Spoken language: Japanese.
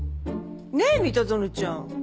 ねえ三田園ちゃん。